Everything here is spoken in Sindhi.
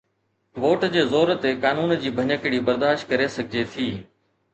ووٽ جي زور تي قانون جي ڀڃڪڙي برداشت ڪري سگهجي ٿي.